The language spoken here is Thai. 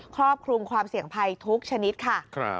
ครอบคลุมความเสี่ยงภัยทุกชนิดค่ะ